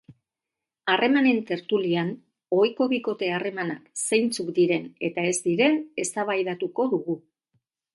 Harremanen tertulian ohiko bikote harremanak zeintzuk diren eta ez diren eztabaidatuko dugu.